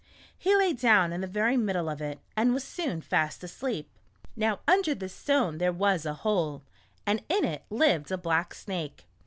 He lay down in the very middle of it, and was soon fast asleep. Now under this stone there was a hole, and in it lived a black snake.